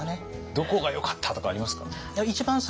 どこがよかったとかありますか？